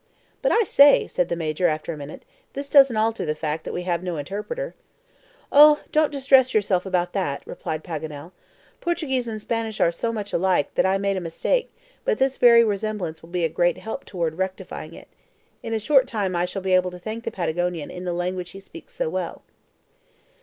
"But, I say," said the Major, after a minute, "this doesn't alter the fact that we have no interpreter." "Oh, don't distress yourself about that," replied Paganel, "Portuguese and Spanish are so much alike that I made a mistake; but this very resemblance will be a great help toward rectifying it. In a very short time I shall be able to thank the Patagonian in the language he speaks so well."